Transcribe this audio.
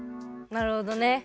なるほどね。